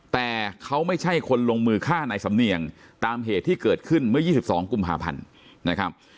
แต่เขาไม่ใช่คนลงมือฆ่านายสำเนียงตามเหตุที่เกิดขึ้นเมื่อ๒๒กุมภาพันธ์นะครับ